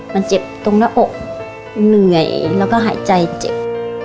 มันเจ็บตรงหน้าอกเหนื่อยแล้วก็หายใจเจ็บ